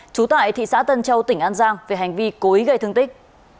trú tại thị xã tân châu tỉnh an giang về hành vi cố ý gây thương tích